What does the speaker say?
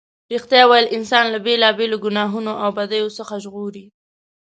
رښتیا ویل انسان له بېلا بېلو گناهونو او بدیو څخه ژغوري.